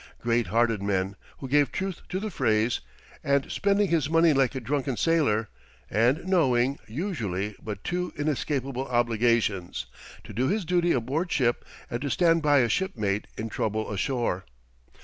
Great hearted men, who gave truth to the phrase "and spending his money like a drunken sailor" and knowing, usually, but two inescapable obligations to do his duty aboard ship and to stand by a shipmate in trouble ashore.